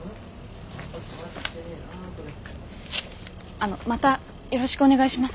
あのまたよろしくお願いします。